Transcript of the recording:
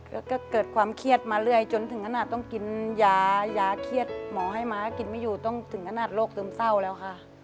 แล้วก็เกิดความเครียดมาเรื่อยจนถึงขนาดต้องกินยายาเครียดหมอให้ม้ากินไม่อยู่ต้องถึงขนาดโรคซึมเศร้าแล้วค่ะ